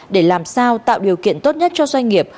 để làm sao tạo điều kiện tốt nhất cho doanh nghiệp